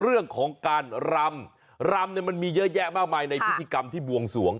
เรื่องของการรำรำเนี่ยมันมีเยอะแยะมากมายในพิธีกรรมที่บวงสวง